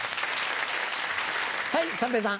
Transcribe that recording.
はい三平さん。